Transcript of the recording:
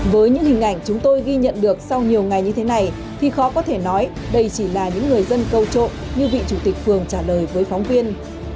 với những hình ảnh chúng tôi ghi nhận được sau nhiều ngày như thế này thì khó có thể nói đây chỉ là những người dân câu trộm như vị chủ tịch phường trả lời với phóng viên